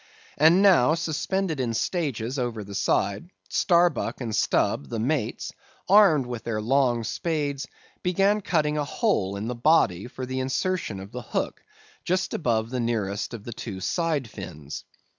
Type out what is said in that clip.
And now suspended in stages over the side, Starbuck and Stubb, the mates, armed with their long spades, began cutting a hole in the body for the insertion of the hook just above the nearest of the two side fins.